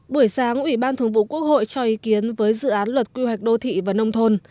buổi sáng ủy ban thường vụ quốc hội cho ý kiến với dự án luật quy hoạch đô thị và nông thôn